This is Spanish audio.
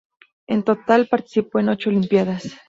En total, participó en ocho olimpiadas.